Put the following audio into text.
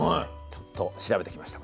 ちょっと調べてきました。